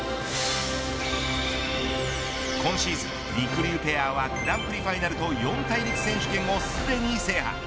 今シーズン、りくりゅうペアはグランプリファイナルと四大陸選手権をすでに制覇。